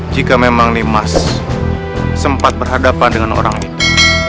jika memang nimas sempat berhadapan dengan orang itu